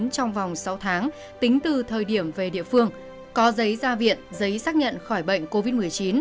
trong vòng sáu tháng tính từ thời điểm về địa phương có giấy ra viện giấy xác nhận khỏi bệnh covid một mươi chín